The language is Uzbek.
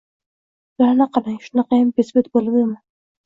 Ularni qarang, shunaqayam bezbet bo’ladimi